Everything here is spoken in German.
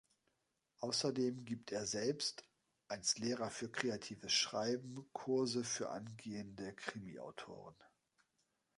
Außerdem gibt er selbst als Lehrer für kreatives Schreiben Kurse für angehende Krimiautoren.